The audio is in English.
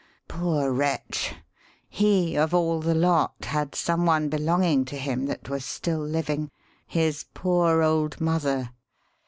Poor wretch! he of all the lot had some one belonging to him that was still living his poor old mother.